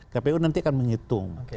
kpu nanti akan menghitung